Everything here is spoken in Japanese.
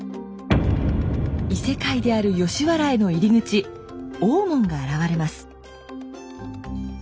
異世界である吉原への入り口大門が現れます。